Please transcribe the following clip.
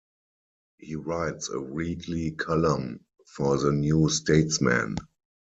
He writes a weekly column for the "New Statesman".